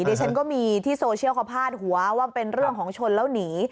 ดิฉันก็มีที่โซเชียลเขาพาดหัวว่าเป็นเรื่องของชนแล้วหนี